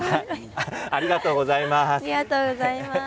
ありがとうございます。